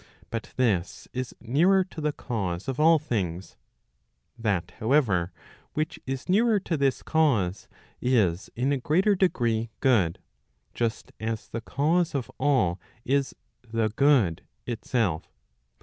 But this is nearer to the cause of all things. That however, which is nearer to this cause, is in a greater degree good, just as the cause of all is the good itself.